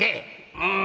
「うん」。